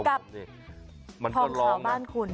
เหมือนกับทองข่าวบ้านคุณ